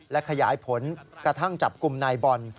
และขยายผลกระทั่งจับกลุ่มนายบอล